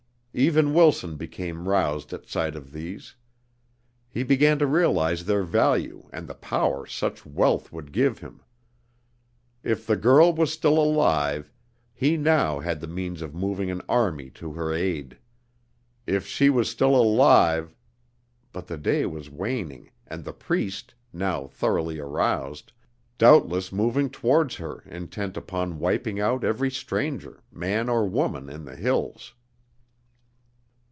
Even Wilson became roused at sight of these. He began to realize their value and the power such wealth would give him. If the girl was still alive, he now had the means of moving an army to her aid. If she was still alive but the day was waning and the Priest, now thoroughly aroused, doubtless moving towards her intent upon wiping out every stranger, man or woman, in the hills.